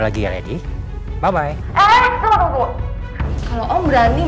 jangan udah aku bakal nangis